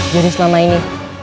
jadi selama ini